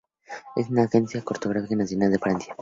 Es la agencia cartográfica nacional de Francia.